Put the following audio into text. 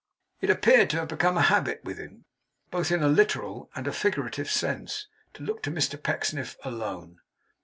It appeared to have become a habit with him, both in a literal and figurative sense, to look to Mr Pecksniff alone.